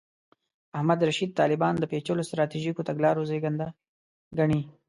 احمد رشید طالبان د پېچلو سټراټیژیکو تګلارو زېږنده ګڼي.